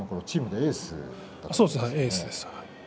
エースです。